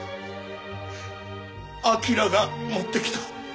彬が持ってきた。